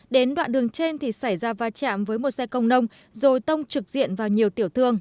đến đoạn đường trên thì xảy ra va chạm với một xe công nông rồi tông trực diện vào nhiều tiểu thương